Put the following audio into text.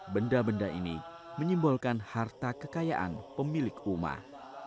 benda benda ini menyimbolkan harta kekayaan pemilik rumah